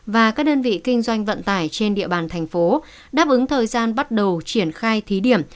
và các đơn vị kinh doanh vận tải trên địa bàn thành phố đáp ứng thời gian bắt đầu triển khai thí điểm